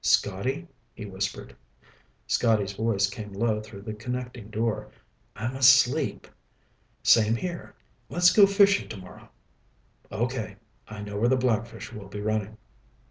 "Scotty?" he whispered. Scotty's voice came low through the connecting door. "I'm asleep." "Same here. Let's go fishing tomorrow." "Okay. I know where the blackfish will be running."